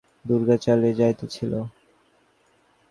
দুর্গা চলিয়া যাইতেছিল, বুড়া মুসলমানটি বলিল, দেখবে না খুকি?